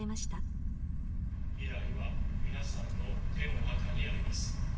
未来は皆さんの手の中にあります。